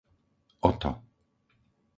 Oto